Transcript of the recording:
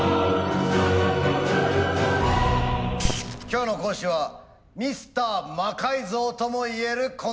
今日の講師はミスター魔改造ともいえるこの人。